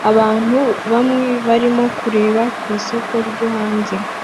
abantu bamwe barimo kureba ku isoko ryo hanze